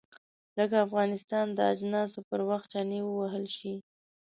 لکه افغانستان د اجناسو پر وخت چنې ووهل شي.